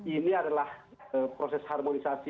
ini adalah proses harmonisasi